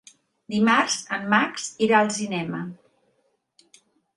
Dimarts en Max irà al cinema.